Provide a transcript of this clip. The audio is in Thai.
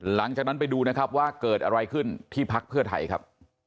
หลังจากนั้นไปดูนะครับว่าเกิดอะไรขึ้นที่พักเพื่อไทยครับ